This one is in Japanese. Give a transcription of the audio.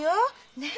ねえ？